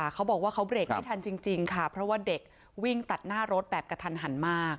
เขาบอกว่าเขาเบรกไม่ทันจริงค่ะเพราะว่าเด็กวิ่งตัดหน้ารถแบบกระทันหันมาก